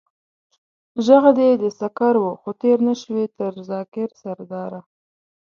ژغ دې د سکر و، خو تېر نه شوې تر ذاکر سرداره.